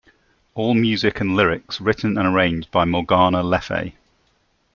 "All music and lyrics written and arranged by: Morgana Lefay"